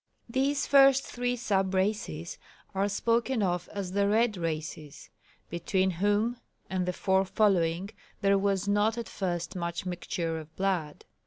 These first three sub races are spoken of as the "red races," between whom and the four following there was not at first much mixture of blood.